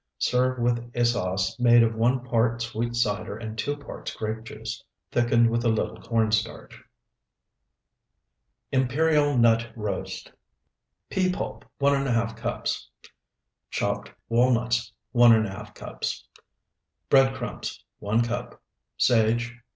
Serve with a sauce made of one part sweet cider and two parts grape juice, thickened with a little corn starch. IMPERIAL NUT ROAST Pea pulp, 1½ cups. Chopped walnuts, 1½ cups. Bread crumbs, 1 cup. Sage.